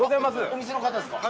お店の方ですか？